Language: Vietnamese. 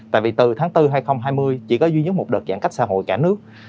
tại vì từ tháng bốn hai nghìn hai mươi chỉ có duy nhất một đợt giãn cách xã hội cả nước